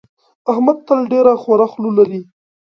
احمد تل ډېره خوره خوله لري.